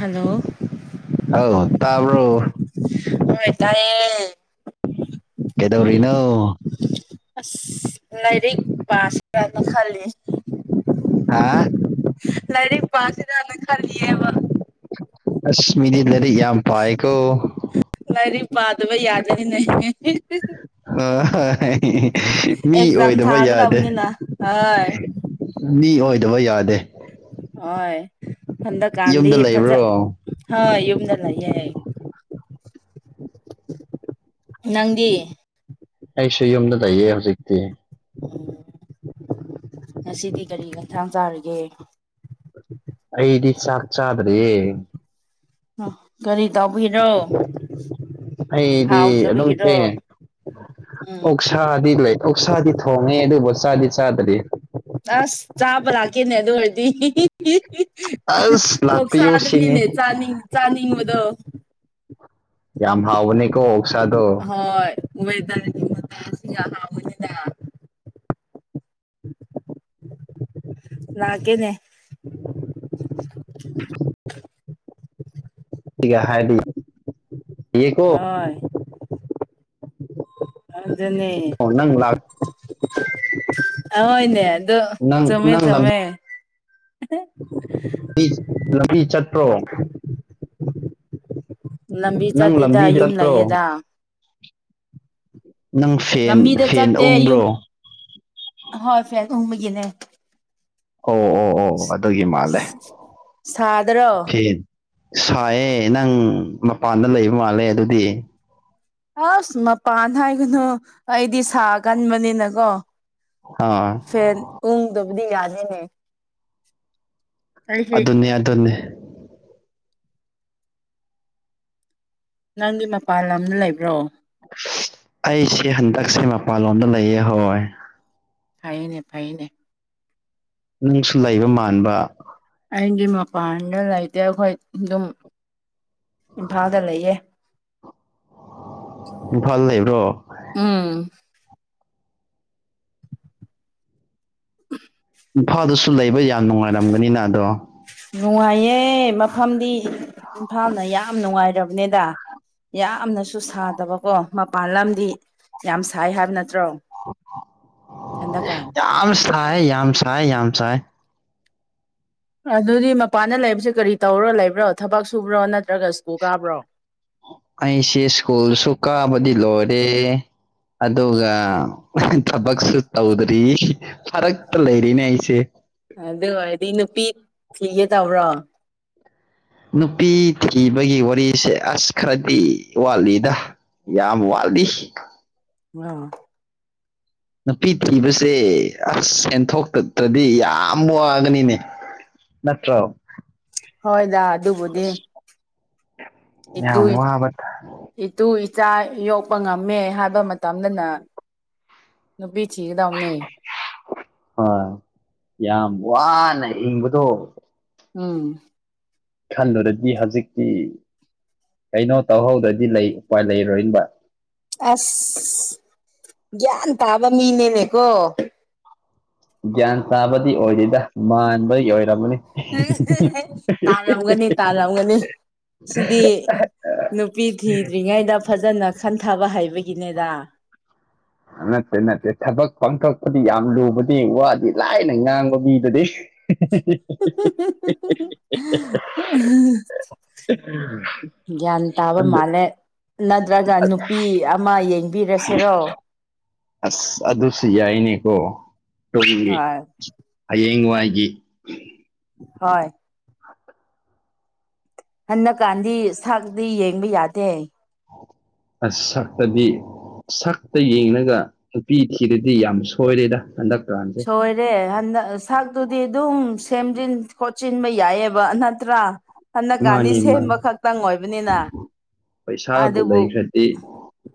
Hello ꯇꯥꯕꯔꯣ ꯍꫭꯏ ꯇꯥꯌꯦ ꯀꯩꯗꯧꯔꯤꯅꯣ ꯑꯁ ꯂꯥꯏꯔꯤꯛ ꯄꯥꯁꯤ꯭ꯔꯥꯅ ꯈꯜꯂꯤ ꯍꯥ ꯂꯥꯏꯔꯤꯛ ꯄꯥꯁꯤꯔꯅ ꯈꯜꯂꯤꯌꯦꯕ ꯑꯁ ꯃꯤꯗꯤ ꯂꯥꯏꯔꯤꯛ ꯌꯥꯝ ꯄꯥꯏꯀꯣ ꯂꯥꯏꯔꯤꯛ ꯕꯥꯗꯕ ꯌꯥꯗꯦꯅꯦ ꯑ ꯃꯤ ꯑꯦꯛꯖꯥꯝ ꯑꯣꯏꯗꯕ ꯌꯥꯗꯦ ꯊꯥꯒꯗꯕꯅꯤꯅ ꯍꯣꯏ ꯃꯤ ꯑꯣꯏ ꯑꯣꯏꯗꯕ ꯌꯥꯗꯦ ꯍꯣꯏ ꯍꯟꯗꯛꯀꯥꯟꯗꯤ ꯌꯨꯝꯗ ꯐꯖ ꯂꯩꯕ꯭ꯔꯣ ꯍꯣꯏ ꯌꯨꯝꯗ ꯅꯪꯗꯤ ꯑꯩꯁꯨ ꯌꯨꯝꯗ ꯂꯩꯌꯦ ꯍꯧꯖꯤꯛꯇꯤ ꯎꯝ ꯉꯁꯤꯗꯤ ꯀꯔꯤ ꯈꯊꯥꯡ ꯆꯥꯔꯤꯒꯦ ꯑꯩꯗꯤ ꯆꯥꯛꯥꯛ ꯆꯥꯗ꯭꯭ꯔꯔꯤ ꯎ ꯀꯔꯤ ꯇꯧꯕꯕꯤꯔꯣ ꯑꯩꯗꯤ ꯑꯗꯨꯝ ꯊꯦꯡꯉꯦ ꯎꯝ ꯑꯣꯛꯁꯥꯗꯤ ꯂꯩ ꯑꯣꯁꯥꯗꯤ ꯊꯣꯡꯉꯦ ꯑꯗꯨꯕꯨ ꯆꯥꯗꯤ ꯆꯥꯗ꯭ꯗꯤ ꯑꯁ ꯆꯥꯕ ꯂꯀꯤꯦꯅꯦ ꯑꯗꯨ ꯑꯣꯏꯔꯗꯤ ꯑꯁ ꯑꯣ ꯂꯥꯛꯄꯤꯌꯨ ꯁꯤꯅꯤ ꯁꯥꯗꯅꯤꯅꯦ ꯆꯥꯅꯤꯡ ꯆꯥꯅꯤꯡꯕꯗꯣ ꯌꯥꯝ ꯍꯥꯎꯕꯅꯤ ꯀꯣ ꯑꯣꯛꯁꯥꯗꯣ ꯋꯩꯗꯔ ꯇꯁꯤ ꯍꯥ ꯑꯣꯏꯗ [inaudible] [inaudible] ꯂꯥꯛ ꯀꯦꯅꯦ ꯁꯤꯒ ꯍꯥꯏꯗꯤ ꯍꯣꯏ ꯅꯪ ꯂꯥꯛ ꯑꯖ [inaudible] ꯑꯗꯣ ꯅꯪ ꯆꯨꯝꯃꯦ ꯅꯪ ꯂꯝ ꯆꯨꯨꯝꯃꯦ ꯂꯝꯕꯤ ꯆꯠꯄ꯭ꯔꯣ ꯂꯝꯕꯤ ꯅꯪ ꯂꯝꯕꯤ ꯆꯠꯇꯦꯗ ꯌꯨꯝ ꯆꯠꯇ꯭ꯔꯣ ꯂꯩꯌꯦꯗ ꯅꯪ ꯐꯦꯜ ꯂꯝꯕꯤꯗ ꯐꯦꯜ ꯆꯠꯇꯦ ꯌꯨꯝ ꯎꯡꯕ꯭ꯔꯣ ꯍꯣꯏ ꯐꯦꯜ ꯎꯨꯡꯕꯒꯤꯅꯦ ꯑꯣ ꯑꯣ ꯑꯣ ꯑꯗꯨꯒꯤ ꯃꯥꯜꯂꯦ ꯁꯥꯗ꯭ꯔꯣ ꯁꯥꯏꯌꯦ ꯅꯪ ꯃꯄꯥꯟꯗ ꯂꯩꯕ ꯃꯥꯜꯂꯦ ꯑꯗꯨꯗꯤ ꯑꯁ ꯃꯄꯥꯟ ꯍꯥꯏꯒꯅꯨ ꯑꯩꯗꯤ ꯁꯥ ꯀꯟꯕꯅꯤꯅꯀꯣ ꯑꯥ ꯐꯦꯜ ꯎꯨꯡꯗꯕꯗꯤ ꯌꯥꯗꯅꯦ ꯑꯗꯨꯅꯦ ꯑꯗꯨꯅꯦ ꯅꯪꯒꯤ ꯃꯄꯥꯟ ꯂꯝꯗ ꯂꯩꯕ꯭ꯔꯣ ꯑꯩꯁꯦ ꯍꯟꯗꯛꯁꯦ ꯃꯄꯥꯟꯂꯣꯝꯗ ꯂꯩꯌꯦ ꯍꯣꯏ ꯐꯥꯏꯅꯦ ꯐꯥꯏꯅꯦ ꯅꯪꯁꯨ ꯂꯩꯕ ꯃꯥꯟꯕ ꯑꯩꯒꯤ ꯃꯄꯥꯟꯗ ꯂꯩꯇꯦ ꯑꯩꯈꯣꯏ ꯑꯗꯨꯝ ꯏꯝꯐꯥꯜꯗ ꯂꯩꯌꯦ ꯏꯝꯐꯥꯜ ꯂꯩꯕ꯭ꯔꯣ ꯎꯝ [inaudible] ꯏꯝꯐꯥꯜꯗꯁꯨ ꯂꯩꯕ ꯌꯥꯝ ꯅꯨꯡꯉꯥꯏꯔꯝꯒꯅꯤꯅ ꯑꯗꯣ ꯅꯨꯡꯉꯥꯏꯌꯦ ꯃꯐꯝꯗꯤ ꯏꯝꯐꯥꯜꯅ ꯌꯥꯝ ꯅꯨꯡꯉꯥꯏꯔꯕꯅꯦꯗ ꯌꯥꯝꯅꯁꯨ ꯁꯥꯗꯕꯀꯣ ꯃꯄꯥꯟ ꯂꯝꯗꯤ ꯌꯥꯝ ꯁꯥꯏ ꯍꯥꯏꯕ ꯅꯠꯇꯦ [unintelligible] ꯍꯟꯗꯥꯛꯀ ꯌꯥꯝ ꯁꯥꯏ ꯌꯥꯝ ꯁꯥꯏ ꯌꯥꯝ ꯁꯥꯏ ꯑꯗꯨꯗꯤ ꯃꯄꯥꯟꯗ ꯂꯩꯕꯁꯦ ꯀꯔꯤ ꯇꯧꯔꯣ ꯂꯩꯕ꯭ꯔꯣ ꯊꯕꯛ ꯁꯨꯕ꯭ꯔꯣ ꯅꯠꯇ꯭ꯔꯒ ꯁ꯭ꯀꯨꯜ ꯀꯥꯕ꯭ꯔꯣ ꯑꯩꯁꯤ ꯁ꯭ꯀꯨꯜꯁꯨꯨ ꯀꯥꯕꯗꯤ ꯂꯣꯏ ꯔꯦ ꯑꯗꯨꯒ ꯊꯕꯛꯁꯨ ꯇꯧꯗ꯭ꯔꯤ ꯐꯔꯛꯇ ꯂꯩꯔꯤꯅꯦ ꯑꯩꯁꯦ ꯑꯗꯨ ꯑꯣꯏꯔꯗꯤ ꯅꯨꯄꯤ ꯊꯤꯒꯦ ꯇꯧꯕ꯭ꯔꯣ ꯅꯨꯄꯤ ꯊꯤꯕꯒꯤ ꯋꯥꯔꯤꯁꯦ ꯑꯁ ꯈꯔꯗꯤ ꯋꯥꯠꯂꯤꯗ ꯌꯥꯝ ꯋꯥꯜꯗꯤ ꯑ ꯅꯨꯄꯤ ꯊꯤꯕꯁꯦ ꯑꯁ ꯁꯦꯟꯊꯣꯛꯇꯇ꯭ꯔꯗꯤ ꯌꯥꯝ ꯋꯥꯒꯅꯤꯅꯦ ꯅꯠꯇ꯭ꯔ ꯍꯣꯏꯗꯥ ꯑꯗꯨꯕꯨꯗꯤ ꯏ ꯇ ꯌꯥꯝ ꯋꯥꯕ ꯊ- ꯏ ꯇ ꯆꯥ ꯌꯣꯛꯄ ꯉꯝꯃꯦ ꯍꯥꯏꯕ ꯃꯇꯝꯗꯅ ꯅꯨꯄꯤ ꯆꯤꯗꯎꯅꯦ ꯍꯣꯢ ꯌꯥꯝ ꯋꯥꯅ ꯍꯤꯡꯕꯗꯣ ꯎꯝ ꯈꯟꯂꯨꯔꯗꯤ ꯍꯧꯖꯤꯛꯇꯤ ꯀꯩꯅꯣ ꯇꯧꯍꯧꯗ꯭ꯔꯗꯤ ꯂꯩ ꯎꯄꯥꯢ ꯂꯩꯔꯣꯏꯕ ꯑꯁ ꯒ꯭ꯌꯥꯟ ꯇꯥꯕ ꯃꯤꯅꯦꯅꯦꯀꯣ ꯒꯌ꯭ꯥꯟ ꯆꯥꯕꯗꯤ ꯑꯣꯏꯗꯣꯏꯗ ꯃꯥꯟꯕꯗꯤ ꯑꯣꯏꯔꯝꯃꯅꯤ ꯇꯥꯔꯝꯒꯅꯤ ꯇꯥꯔꯝꯒꯅꯤ ꯁꯤꯗꯤ ꯅꯨꯄꯤ ꯊꯤꯗ꯭ꯔꯤꯉꯩꯗ ꯐꯖꯅ ꯈꯟꯊꯕ ꯍꯥꯏꯕꯒꯤꯅꯦꯗ ꯅꯠꯇꯦ ꯅꯠꯇꯦ ꯊꯕꯛ ꯄꯥꯡꯊꯣꯛꯄꯗꯤ ꯌꯥꯝ ꯂꯨꯕꯗꯤ ꯋꯥꯗꯤ ꯂꯥꯏꯅ ꯉꯥꯡꯕ ꯃꯤꯗꯗꯤ [inaudible] ꯒ꯭ꯌꯥꯟ ꯇꯥꯕ ꯑꯗꯨ ꯃꯥꯜꯂꯦ ꯅꯠꯇ꯭ꯔꯒ ꯅꯨꯄꯤ ꯑꯃ ꯌꯦꯡ ꯕꯤꯔꯁꯤꯔꯣ ꯑꯁ ꯑꯗꯨ ꯑꯗꯨꯁꯨ ꯌꯥꯏꯅꯤ ꯀꯣ ꯍꯣꯏ ꯇ ꯍꯤꯡꯋꯥꯏꯒꯤ ꯍꯣꯏ ꯍꯟꯅꯛ ꯀꯥꯟꯗꯤ ꯁꯥꯛꯗꯤ ꯌꯦꯡꯕ ꯌꯥꯗꯦ ꯑꯁꯛꯇꯗꯤ ꯁꯛꯇ ꯌꯦꯡꯉꯒ ꯅꯨꯄꯤ ꯊꯤꯗꯗꯤ ꯌꯥꯝ ꯁꯣꯏꯔꯦꯗ ꯍꯟꯗꯛ ꯁꯣꯏꯔꯦ ꯍꯟꯗꯛ ꯁꯛ ꯑꯗꯨꯗꯤ ꯑꯗꯨꯝ ꯁꯦꯝꯖꯤꯟ ꯈꯣꯠꯆꯤꯟꯕ ꯌꯥꯏꯑꯕ ꯅꯠꯇ꯭ꯔꯥ ꯍꯟꯅꯛ ꯀꯥꯟꯅꯤ ꯃꯥꯅꯤ ꯃꯥꯅꯤ ꯁꯦꯝꯕ ꯈꯛꯇꯪ ꯑꯣꯏꯕꯅꯤꯅ ꯄꯩꯁꯥꯕꯨ ꯑꯗꯨꯕꯨ ꯂꯩꯈ꯭ꯔꯗꯤ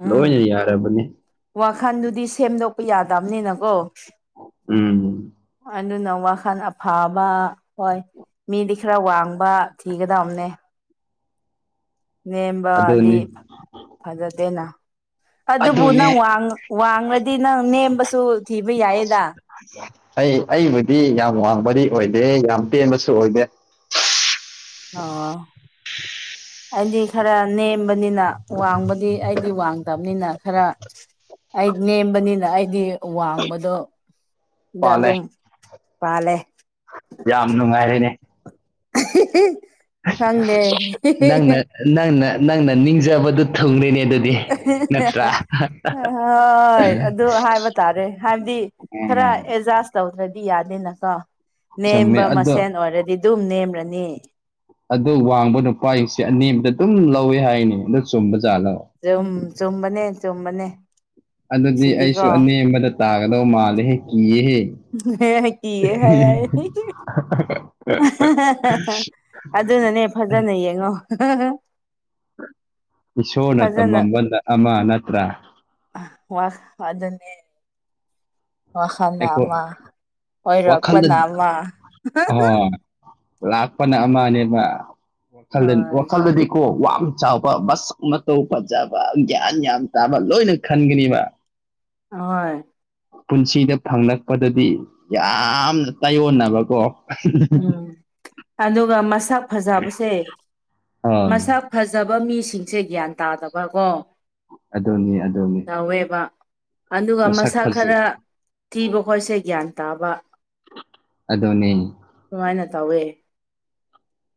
ꯂꯣꯏꯅ ꯌꯥꯔꯕꯅꯤ ꯋꯥꯈꯟꯗꯨꯗꯤ ꯁꯦꯝꯗꯣꯛꯄ ꯌꯥꯗꯕꯅꯤꯅꯀꯣ ꯎꯝ ꯑꯗꯨꯅ ꯋꯥꯈꯜ ꯑꯐꯥꯕ ꯍꯣꯏ ꯃꯤꯗꯤ ꯈꯔ ꯋꯥꯡꯕ ꯊꯤꯒꯗꯕꯅꯦ ꯅꯦꯝꯕꯗꯤ ꯑꯗꯨꯅꯤ ꯐꯖꯗꯦꯅ ꯑꯗꯨꯕꯨ ꯑꯗꯨꯅꯦ ꯅꯪ ꯋꯥꯡꯡꯂꯗꯤ ꯅꯪ ꯅꯦꯝꯕꯁꯨ ꯊꯤꯕ ꯌꯥꯏꯌꯦꯗ ꯑꯩ ꯑꯕꯗꯤ ꯌꯥꯝ ꯋꯥꯡꯕꯗꯤ ꯑꯣꯏꯗꯦ ꯌꯥꯝ ꯇꯦꯟꯕꯁꯨ ꯑꯣꯏꯗꯦ ꯑꯣ ꯑꯩꯗꯤ ꯈꯔ ꯅꯦꯝꯕꯅꯤꯅ ꯋꯥꯡꯕꯗꯤ ꯑꯩꯗꯤ ꯋꯥꯡꯗꯕꯅꯤꯅ ꯈꯔ ꯑꯩ ꯅꯦꯝꯕꯅꯤꯅ ꯑꯩꯗꯤ ꯋꯥꯡꯕꯗꯣ ꯗ ꯄꯥꯜꯂꯦ ꯑꯗꯨꯝ ꯄꯥꯜꯂꯦ ꯌꯥꯝ ꯅꯨꯡꯉꯥꯏꯔꯦꯅꯦ [inaudible] ꯈꯪꯗꯦ ꯅꯪꯅ ꯅꯪꯅ ꯅꯪꯅ ꯅꯤꯡꯖꯕꯗꯨ ꯊꯨꯡꯅꯤꯅꯦ ꯍꯣꯏ ꯑꯗꯨ ꯍꯥꯏꯕ ꯇꯥꯔꯦ ꯍꯥꯏꯕꯗꯤ ꯈꯔ ꯎꯝ ꯑꯦꯖꯥꯥꯁ ꯇꯎꯗ꯭ꯔꯦ ꯌꯥꯗꯦꯅꯀꯣ ꯅꯦꯝꯕ ꯆꯨꯝꯃꯦ ꯃꯁꯦꯟ ꯑꯗꯣ ꯑꯣꯏꯔꯗꯤ ꯑꯗꯨꯝ ꯅꯦꯝꯔꯅꯤ ꯑꯗ ꯋꯥꯡꯕ ꯅꯨꯄꯥꯁꯤꯡꯁꯦ ꯑꯅꯦꯝꯕꯗ ꯑꯗꯨꯝ ꯂꯧꯋꯦ ꯍꯥꯏꯅꯤ ꯑꯗꯨ ꯆꯨꯝꯕꯗ ꯆꯨꯝ ꯆꯨꯝꯕꯅꯦ ꯆꯨꯝꯕꯅꯦ ꯑꯗꯨꯗꯤ ꯑꯩꯁꯨ ꯁꯤꯗꯤꯀꯣ ꯑꯅꯦꯝꯕꯗ ꯇꯥꯒꯗꯧ ꯃꯥꯜꯂꯦ ꯍꯦꯛ ꯀꯤꯌꯦꯦꯍꯦ ꯀꯤꯌꯦ ꯍꯥꯏ ꯑꯗꯨꯅꯅꯦ ꯐꯖꯅ ꯌꯦꯡꯉꯣ ꯏꯁꯣꯔꯅ ꯐꯖꯅ ꯇꯝꯃꯝꯕ ꯑꯃ ꯅꯠꯇ꯭ꯔꯥ ꯋꯥ ꯑꯗꯨꯗꯟꯅꯦ ꯋꯥꯈꯜꯅ ꯑꯩꯈꯣ ꯑꯃ ꯋꯥꯈꯜꯗ ꯑꯣꯏꯔꯛꯄꯅ ꯑꯃ ꯑꯍꯣꯏ ꯂꯥꯛꯄꯅ ꯑꯃꯅꯦꯕ ꯋꯥꯈꯜ ꯍꯣꯏ ꯋꯥꯈꯜꯗꯗꯤꯀꯣ ꯌꯥꯝ ꯆꯥꯎꯕ ꯃꯁꯛ ꯃꯇꯧ ꯐꯖꯕ ꯒ꯭ꯌꯥꯟ ꯌꯥꯝ ꯇꯥꯕ ꯂꯣꯏꯅ ꯈꯟꯒꯅꯤꯕ ꯍ ꯄꯨꯟꯁꯤꯗ ꯐꯪꯂꯛꯄꯗꯗꯤ ꯌꯥꯝꯅ ꯇꯥꯏꯌꯣꯟꯅꯕꯀꯣ [unintelligible] ꯎꯝ ꯑꯗꯨꯒ ꯃꯁꯛ ꯐꯖꯕꯁꯦ ꯑꯥ ꯃꯁꯥ ꯐꯖꯕ ꯃꯤꯁꯤꯡꯁꯦ ꯒ꯭ꯌꯥꯟ ꯇꯥꯗꯕꯀꯣ ꯑꯗꯨꯗꯅꯦ ꯇꯧꯋꯦꯕ ꯑꯗꯨꯒ ꯃꯁꯛ ꯃꯁꯥ ꯐꯖ ꯈꯔ ꯊꯤꯕ ꯈꯣꯠꯁꯦ ꯒ꯭ꯌꯥꯟ ꯇꯥꯕ ꯑꯗꯣꯅꯦ ꯁꯃꯥꯏꯅ ꯇꯧꯋꯦ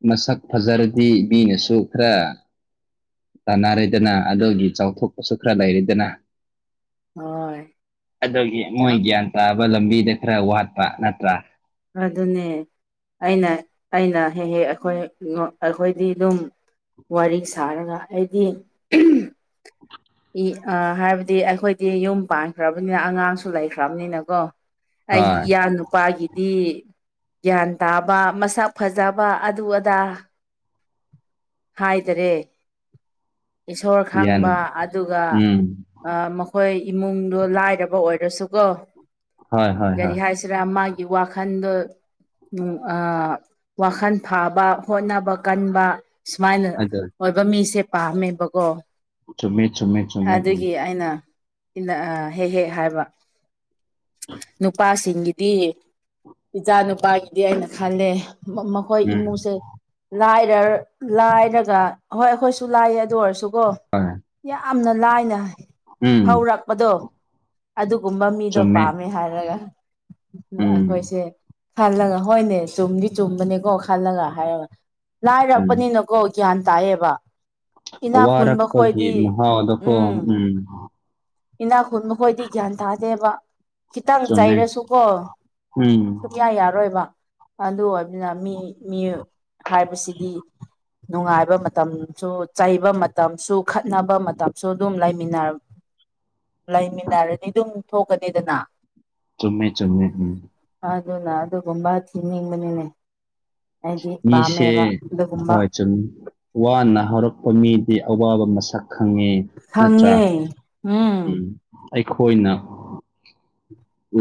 ꯃꯁꯛ ꯐꯖꯔꯗꯤ ꯃꯤꯅ ꯁꯣꯛꯈ꯭ꯔ ꯇꯥꯟꯅꯔꯦꯗꯅ ꯑꯗꯨꯒꯤ ꯆꯥꯎꯊꯣꯛꯄꯁꯨ ꯈꯔ ꯂꯩꯔꯦꯗꯅ ꯍꯣꯏ ꯑꯗꯨꯒꯤ ꯃꯣꯏ ꯆꯞ ꯒ꯭ꯌꯥꯟ ꯇꯥꯕ ꯂꯝꯕꯤꯗ ꯈꯔ ꯋꯥꯠ ꯄꯥ ꯅꯠꯇ ꯑꯗꯨ ꯑꯗꯨꯅꯦ ꯑꯩꯅ ꯑꯩꯅ ꯍꯦꯛ ꯍꯦꯛ ꯑꯩꯈꯣꯏ ꯑꯩꯈꯣꯏꯗꯤ ꯑꯗꯨꯝ ꯋꯥꯔꯤ ꯁꯥꯔꯒ ꯑꯩꯗꯤ ꯑ ꯍꯥꯏꯕꯗꯤ ꯑꯩꯈꯣꯏꯗꯤ ꯌꯨꯝ ꯄꯥꯟꯈ꯭ꯔꯕꯅꯤꯅ ꯑꯉꯥꯡꯁꯨ ꯂꯩꯈ꯭ꯔꯕꯅꯤꯅꯀꯣ ꯑꯩ ꯏ ꯍꯣꯏ ꯅꯨꯄꯥꯒꯤ ꯗꯤ ꯒ꯭ꯌꯥꯟ ꯇꯥꯕ ꯃꯁꯛ ꯐꯖꯕ ꯑꯗꯨ ꯑꯗꯥ ꯍꯥꯏꯗꯔꯦ ꯏꯁꯣꯔ ꯒ꯭ꯌꯥꯟ ꯈꯪꯕ ꯑꯗꯨꯒ ꯎꯝ ꯃꯈꯣꯏ ꯏꯃꯨꯡꯗꯣ ꯂꯥꯏꯔꯕ ꯑꯣꯏꯔꯁꯨꯀꯣ ꯍꯣꯏ ꯍꯣꯏ ꯀꯔꯤ ꯍꯣꯏ ꯍꯥꯏꯁꯤꯔꯥ ꯃꯥꯒꯤ ꯋꯥꯈꯜꯗꯣ ꯋꯥꯈꯜ ꯐꯥꯕ ꯍꯣꯠꯅꯕ ꯀꯟꯕ ꯁꯨꯃꯥꯏꯅ ꯑꯗꯨ ꯑꯣꯏꯕ ꯃꯤꯁꯦ ꯄꯥꯝꯃꯦꯕꯀꯣ ꯆꯨꯝꯃꯦ ꯆꯨꯝꯃꯦ ꯆꯨꯝꯃꯦ ꯎꯝ ꯑꯗꯨꯒꯤ ꯑꯩꯅ ꯍꯦꯛ ꯍꯦꯛ ꯍꯥꯏꯕ ꯅꯨꯄꯥꯁꯤꯡꯒꯤꯗꯤ ꯏꯆꯥ ꯅꯨꯄꯥꯒꯤꯗꯤ ꯑꯩꯅ ꯈꯜꯂꯦ ꯃꯈꯣꯏ ꯎꯝ ꯏꯃꯨꯁꯦ ꯂꯥꯏꯔ ꯂꯥꯏꯔꯒ ꯍꯣꯏ ꯑꯩꯈꯣꯏꯁꯨ ꯂꯥꯏꯌꯦ ꯑꯗꯨ ꯑꯣꯏꯔꯁꯨꯀꯣ ꯍꯣꯏ ꯌꯥꯝꯅ ꯂꯥꯏꯅ ꯎꯝ ꯍꯧꯔꯛꯄꯗꯣ ꯑꯗꯨ ꯒꯨꯝꯕ ꯃꯤꯗꯣ ꯆꯨꯝꯃꯦ ꯄꯥꯝꯃꯦ ꯍꯥꯏꯔꯒ ꯎꯝ ꯑꯩꯈꯣꯏꯁꯦ ꯈꯜꯂꯒ ꯍꯣꯏꯅꯦ ꯆꯨꯝꯗꯤ ꯆꯨꯝꯕꯅꯦꯀꯣ ꯈꯜꯂꯒ ꯍꯥꯏꯔꯒ ꯎꯝ ꯂꯥꯏꯔꯛꯄꯅꯤꯅꯀꯣ ꯒ꯭ꯌꯥꯟ ꯇꯥꯏꯑꯕ ꯏꯅꯥꯛ ꯈꯨꯨꯟ ꯋꯥꯔꯛꯄꯒꯤ ꯃꯈꯣꯏꯗꯤ ꯃꯍꯥꯎꯗꯀꯣ ꯎꯝ ꯏꯅꯥꯛ ꯈꯨꯟ ꯃꯈꯣꯏꯗꯤ ꯒ꯭ꯌꯥꯟ ꯇꯥꯗꯦꯕ ꯈꯤꯇꯪ ꯆꯨꯝꯃꯦ ꯆꯩꯥꯏꯔꯁꯨꯀꯣ ꯎꯝ ꯁꯨꯡꯌꯥ ꯌꯥꯔꯣꯏꯕ ꯑꯗꯨ ꯑꯣꯏꯕ ꯑꯗꯨꯅ ꯃꯤ ꯍꯥꯏꯕꯁꯤꯗꯤ ꯅꯨꯡꯉꯥꯏꯕ ꯃꯇꯝꯁꯨ ꯆꯩꯕ ꯃꯇꯝꯁꯨ ꯈꯠꯅꯕ ꯃꯇꯝꯁꯨ ꯑꯗꯨꯝ ꯂꯩꯃꯤꯟꯅ ꯂꯩꯃꯤꯟꯅꯔꯗꯤ ꯑꯗꯨꯝ ꯊꯣꯛꯀꯥꯗꯅ ꯆꯨꯝꯃꯦ ꯆꯨꯝꯃꯦ ꯎꯝ ꯑꯗꯨꯅ ꯑꯗꯨꯒꯨꯝꯕ ꯊꯤꯅꯤꯡꯕꯅꯤꯅꯦ ꯍꯥꯏꯗꯤ ꯃꯤꯁꯦ ꯍꯣꯏ ꯆꯨꯝꯃꯦ ꯋꯥꯅ ꯍꯧꯔꯛꯄ ꯃꯤꯗꯤ ꯑꯋꯥꯕ ꯃꯁꯛ ꯈꯪꯉꯦ ꯅꯠꯇ꯭ꯔꯥ ꯈꯪꯉꯦ ꯎꯝ ꯑꯩꯈꯣꯏꯅ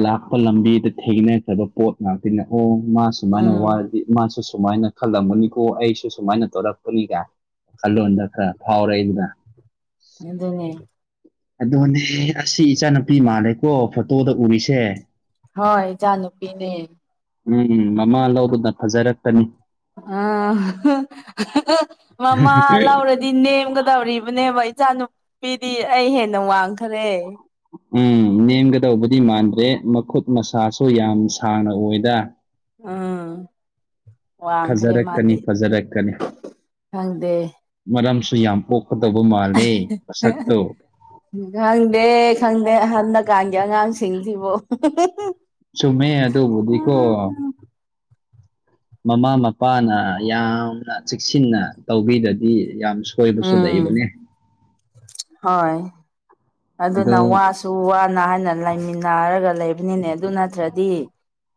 ꯂꯥꯛꯄ ꯂꯝꯕꯤꯗ ꯊꯦꯡꯅꯈ꯭ꯔꯕ ꯄꯣꯠ ꯉꯥꯛꯇꯅꯦ ꯑꯣ ꯃꯥ ꯁꯨꯃꯥꯏꯅ ꯎꯝ ꯋꯔꯗꯤ ꯃꯥꯁꯨ ꯁꯨꯃꯥꯏꯅ ꯈꯜꯂꯝꯃꯅꯤꯀꯣ ꯑꯩꯁꯨ ꯁꯨꯃꯥꯏꯅ ꯇꯧꯔꯛꯄꯅꯤ ꯀꯥꯏꯅ ꯀꯜꯂꯨꯗꯀ ꯐꯥꯎꯔꯩꯗ ꯑꯗꯨꯅꯦ ꯑꯗꯨꯅꯦ ꯑꯁꯤ ꯏꯆꯥꯅꯨꯄꯤ ꯃꯥꯜꯂꯦꯀꯣ ꯐꯣꯇꯣꯗ ꯎꯔꯤꯁꯦ ꯍꯣꯏ ꯏꯆꯥ ꯅꯨꯄꯤꯅꯦ ꯎꯝ ꯎꯝ ꯃꯃꯥ ꯂꯧꯗꯨꯅ ꯐꯖꯔꯛꯀꯅꯤ ꯑꯥ ꯃꯃꯥ ꯂꯧꯔꯗꯤ ꯅꯦꯝꯒꯗꯧꯔꯤꯕꯅꯦꯕ ꯏꯆꯥꯅꯨꯄꯤꯗꯤ ꯑꯩ ꯍꯦꯟꯅ ꯋꯥꯡꯒꯦ ꯎꯝ ꯅꯦꯝꯒꯗꯧꯕꯗꯤ ꯃꯥꯟꯗ꯭ꯔꯦ ꯃꯈꯨꯠ ꯃꯁꯥꯁꯨ ꯌꯥꯝ ꯁꯥꯡꯅ ꯑꯣꯏꯗ ꯑꯥ ꯐꯖꯔꯛꯀꯅꯤ ꯐꯖꯔꯛꯀꯅꯤ ꯈꯪꯗꯦ ꯃꯔꯝꯁꯨ ꯌꯥꯝ ꯄꯣꯛ ꯈꯪꯗꯦ ꯈꯪꯗꯦ ꯑꯍꯟꯅ ꯀꯥꯟꯒꯤ ꯑꯉꯥꯡꯁꯤꯡꯁꯤꯕꯣ ꯆꯨꯝꯃꯦ ꯑꯗꯨꯕꯨꯗꯤꯀꯣ ꯃꯃꯥ ꯃꯄꯥꯅ ꯌꯥꯝꯅ ꯆꯦꯛꯁꯤꯟꯅ ꯇꯧꯕꯤꯗꯗꯤ ꯌꯥꯝ ꯁꯣꯏꯕꯁꯨ ꯎꯝ ꯂꯩꯕꯅꯦ ꯍꯣꯏ ꯑꯗꯨꯅ ꯑꯗꯣ ꯋꯥꯁꯨ ꯋꯥꯅ ꯍꯥꯏꯅ ꯂꯩꯃꯤꯟꯅꯔꯒ ꯂꯩꯕ ꯅꯦ ꯑꯗꯨ ꯅꯠꯇ꯭ꯔꯗꯤ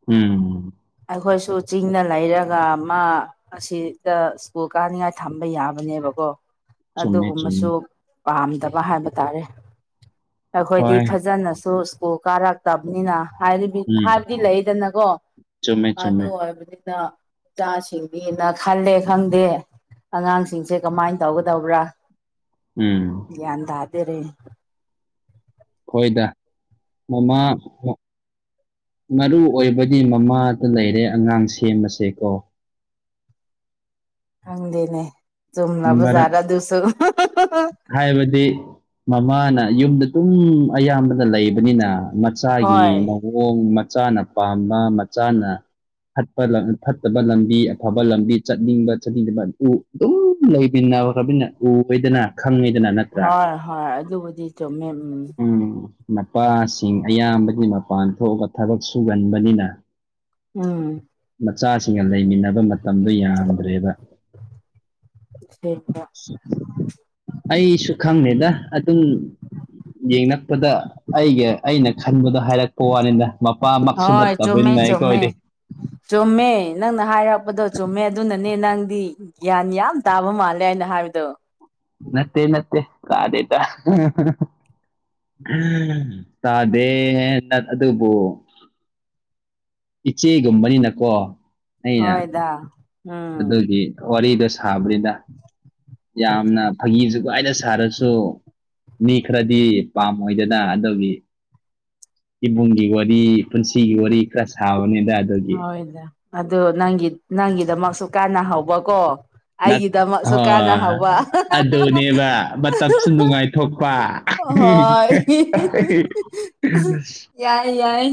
ꯎꯝ ꯑꯩꯈꯣꯏꯁꯨ ꯆꯤꯡꯅ ꯂꯩꯔꯒ ꯃꯥ ꯑꯁꯤꯗ ꯁ꯭ꯀꯨꯜ ꯀꯥꯅꯤꯡꯉꯥꯏ ꯊꯝꯕ ꯌꯥꯕꯅꯦꯕꯀꯣ ꯆꯨꯝꯃꯦ ꯆꯨꯝꯃꯦ ꯑꯗꯨꯒꯨꯝꯕꯁꯨ ꯄꯥꯝꯗꯕ ꯍꯥꯏꯕ ꯇꯥꯔꯦ ꯑꯩꯈꯣꯏꯗꯤ ꯍꯣꯏ ꯐꯖꯅꯁꯨ ꯁ꯭ꯀꯨꯜ ꯀꯥꯔꯛ ꯇꯕꯅꯤꯅ ꯍꯥꯏꯔꯤꯕ ꯎꯝ ꯍꯥꯏꯕꯗꯤ ꯂꯩꯗꯅꯀꯣ ꯆꯨꯝꯃꯦ ꯑꯗꯨ ꯆꯨꯝꯃꯦ ꯑꯣꯏꯕꯅꯤꯅ ꯃꯆꯥꯁꯤꯡꯅꯦꯅ ꯈꯜꯂꯦ ꯈꯪꯗꯦ ꯑꯉꯥꯡꯁꯤꯡꯁꯦ ꯀꯃꯥꯏꯅ ꯇꯧꯒꯗꯧꯕ꯭ꯔꯥ ꯎꯝ ꯒ꯭ꯌꯥꯟ ꯇꯥꯗꯔꯦ ꯍꯣꯏꯗ ꯃꯃꯥ ꯃꯔꯨ ꯑꯣꯏꯕꯗꯤ ꯃꯃꯥꯗ ꯂꯩꯔꯦ ꯑꯉꯥꯡ ꯁꯦꯝꯕꯁꯦ ꯀꯣ ꯍꯪꯗꯤꯦꯅꯦ ꯆꯨꯝꯅꯕ ꯃꯔ ꯖꯠꯔꯗꯨꯁꯨ ꯍꯥꯏꯕꯗꯤ ꯃꯃꯥꯅ ꯌꯨꯝꯗ ꯇꯨꯝ ꯑꯌꯥꯝꯕꯅ ꯂꯩꯕꯅꯤꯅ ꯍꯣꯏ ꯃꯆꯥꯒꯤ ꯃꯑꯣꯡ ꯃꯆꯥꯅ ꯄꯥꯝꯕ ꯃꯆꯥꯅ ꯐꯠꯄ ꯐꯠꯇꯕ ꯂꯝꯕꯤ ꯑꯐꯕ ꯂꯝꯕꯤ ꯆꯠꯅꯤꯡꯕ ꯆꯠꯅꯤꯡꯗꯕ ꯎ ꯑꯗꯨꯝ ꯂꯩꯃꯤꯟꯅꯈꯔꯕꯅ ꯎꯕꯦꯗꯅ ꯈꯪꯉꯗꯅ ꯅꯠꯇ꯭ꯔꯥ ꯍꯣꯏ ꯍꯣꯏ ꯑꯗꯨꯕꯨꯗꯤ ꯆꯨꯝꯃꯦ ꯎꯝ ꯃꯄꯥꯁꯤꯡ ꯑꯌꯥꯝꯕꯒꯤ ꯃꯄꯥꯟ ꯊꯣꯛꯑꯒ ꯊꯕꯛ ꯁꯨꯒꯟꯕꯅꯤꯅ ꯎꯝ ꯃꯆꯥꯁꯤꯡꯒ ꯂꯩꯃꯤꯟꯅꯕ ꯃꯇꯝꯗꯨ ꯌꯥꯝꯗ꯭ꯔꯦꯕ [unintelligible] ꯑꯩꯁꯨ ꯈꯪꯉꯦꯗ ꯑꯗꯨꯝ ꯌꯦꯡꯉꯛꯄꯗ ꯑꯩꯒ ꯑꯩꯅ ꯈꯟꯕꯗꯣ ꯍꯥꯏꯔꯛꯄ ꯋꯥꯅꯤꯅ ꯍꯣꯏ ꯆꯨꯝꯃꯦ ꯆꯨꯝꯃꯦ ꯆꯨꯝꯃꯦ ꯅꯪꯅ ꯍꯥꯏꯔꯛꯄꯗꯣ ꯆꯨꯝꯃꯦ ꯑꯗꯨꯅꯅꯦ ꯅꯪꯗꯤ ꯒ꯭ꯌꯥꯟ ꯌꯥꯝ ꯇꯥꯕ ꯃꯥꯜꯂꯦ ꯍꯥꯏꯅ ꯍꯥꯏꯕꯗꯣ ꯅꯠꯇꯦ ꯅꯠꯇꯦ ꯇꯤꯗꯦꯗ ꯇꯥꯗꯦꯅ ꯑꯗꯨꯕꯨ ꯏꯆꯦꯒꯨꯝꯕꯅꯤꯅꯀꯣ ꯑꯩꯅ ꯍꯣꯏꯗ ꯎꯝ ꯑꯗꯨꯒꯤ ꯋꯥꯔꯤꯗꯣ ꯁꯥꯕꯅꯤꯗꯥ꯫ ꯌꯥꯝꯅ ꯐꯥꯒꯤ-ꯖꯨꯒꯥꯏꯗ ꯁꯥꯔꯖꯨ ꯃꯤ ꯈꯔꯗꯤ ꯄꯥꯝꯃꯣꯏꯗꯅ ꯑꯗꯨꯒꯤ꯫ ꯏꯕꯨꯡꯒꯤ ꯋꯥꯔꯤ, ꯄꯨꯟꯁꯤꯒꯤ ꯋꯥꯔꯤ ꯈꯔ ꯁꯥꯕꯅꯦ꯫ ꯍꯣꯏꯗ ꯑꯗꯨ ꯅꯪꯒꯤ-ꯅꯪꯒꯤꯗꯃꯛꯁꯨ ꯀꯥꯟꯅꯍꯧꯕꯀꯣ꯫ ꯅꯠ ꯑꯩꯒꯤꯗꯃꯛꯁꯨ ꯍꯣꯏ ꯀꯥꯟꯅꯍꯧꯕ꯫ ꯑꯗꯨꯅꯦꯕ ꯃꯇꯝꯁꯨ ꯅꯨꯡꯉꯥꯏꯊꯣꯛꯄ ꯍꯣꯏ ꯌꯥꯏ-ꯌꯥꯏ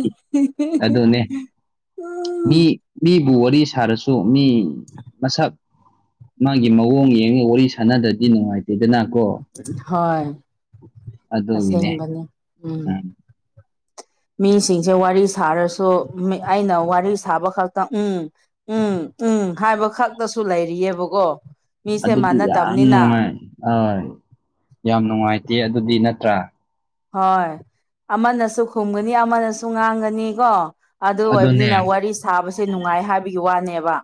ꯃꯤ-ꯃꯤꯕꯨ ꯋꯥꯔꯤ ꯁꯥꯔꯁꯨ ꯃꯤ ꯃꯁꯛ ꯃꯥꯒꯤ ꯃꯑꯣꯡ ꯌꯦꯡꯉ ꯋꯥꯔꯤ ꯁꯥ ꯁꯥꯅꯗꯗꯤ ꯅꯨꯡꯉꯥꯏꯇꯦꯗꯅꯀꯣ꯫ ꯍꯣꯏ ꯑꯗꯨꯒꯤꯅꯦ ꯑꯁꯦꯡꯕꯅꯤ ꯎꯝ ꯃꯤꯁꯤꯡꯁꯦ ꯋꯥꯔꯤ ꯁꯥꯔꯁꯨ ꯃꯦ-ꯑꯩꯅ ꯋꯥꯔꯤ ꯁꯥꯕ ꯈꯛꯇꯪ ꯎꯝ-ꯎꯝ ꯎꯝ ꯍꯥꯏꯕ ꯈꯛꯇꯁꯨ ꯂꯩꯔꯤꯌꯦꯕꯀꯣ꯫ ꯃꯤꯁꯦ ꯑꯗꯨꯗꯤ ꯌꯥꯝ ꯃꯥꯟꯅꯗꯕꯅꯤꯅ ꯅꯨꯡꯉꯥꯏ ꯍꯣꯏ ꯌꯥꯝ ꯅꯨꯡꯉꯥꯏ ꯇꯦ ꯑꯗꯨꯗꯤ ꯅꯠꯇ꯭ꯔꯥ ꯍꯣꯏ ꯑꯃꯅꯁꯨ ꯈꯨꯝꯒꯅꯤ ꯑꯃꯅꯁꯨ ꯉꯥꯡꯒꯅꯤ ꯀꯣ꯫ ꯑꯗꯨ ꯑꯗꯨꯅꯦ ꯑꯣꯏꯕꯅꯤꯅ ꯋꯥꯔꯤ ꯁꯥꯕꯁꯦ ꯅꯨꯡꯉꯥꯏ ꯍꯥꯏꯕꯒꯤ ꯋꯥꯅꯦꯕ꯫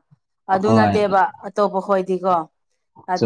ꯑꯗꯨ ꯍꯣꯏ ꯅꯠꯇꯦꯕ ꯑꯇꯣꯞꯄ ꯈꯣꯏꯗꯤꯀꯣ ꯑꯗ